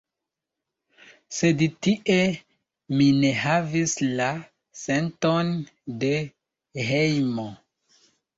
Sed tie mi ne havis la senton de hejmo.